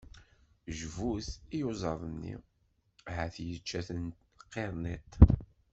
Jbut i iyuzaḍ-nni, ahat yečča-ten qirniṭ!